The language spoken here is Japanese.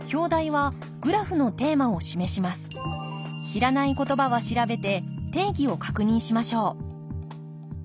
知らないことばは調べて定義を確認しましょう